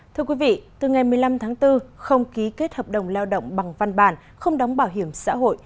thưa quý vị từ ngày một mươi năm tháng bốn không ký kết hợp đồng lao động bằng văn bản không đóng bảo hiểm xã hội